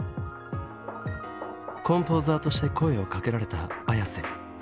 コンポーザーとして声をかけられたＡｙａｓｅ。